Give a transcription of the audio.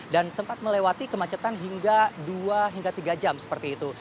dan sempat melewati kemacetan hingga dua hingga tiga jam seperti itu